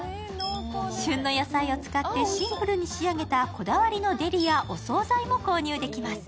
旬の野菜を使ってシンプルに仕上げたこだわりのデリやお総菜も購入できます。